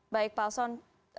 baik pak alson